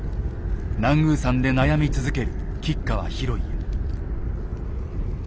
南宮山で悩み続ける吉川広家。